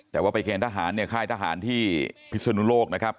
แต่ว่าไปเกณฑ์ทหารเนี่ยค่ายทหารที่พิศนุโลกนะครับ